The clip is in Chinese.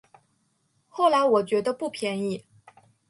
后来我觉得不便宜